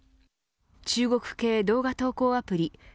中国系動画投稿アプリ